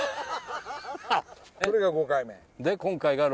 それが５回目。